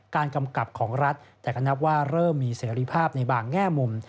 กำกับของรัฐแต่ก็นับว่าเริ่มมีเสรีภาพในบางแง่มุม